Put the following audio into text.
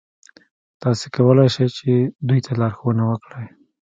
تاسې کولای شئ چې دوی ته لارښوونه وکړئ.